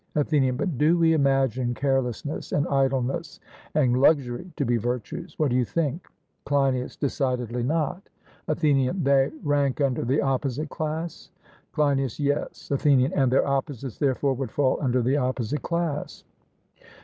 ATHENIAN: But do we imagine carelessness and idleness and luxury to be virtues? What do you think? CLEINIAS: Decidedly not. ATHENIAN: They rank under the opposite class? CLEINIAS: Yes. ATHENIAN: And their opposites, therefore, would fall under the opposite class?